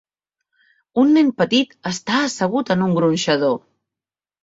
Un nen petit està assegut en un gronxador.